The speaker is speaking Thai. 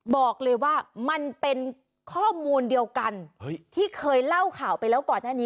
บอกเลยว่ามันเป็นข้อมูลเดียวกันที่เคยเล่าข่าวไปแล้วก่อนหน้านี้